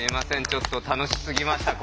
ちょっと楽しすぎました